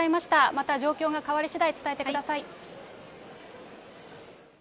また状況が変わりしだい伝えてください。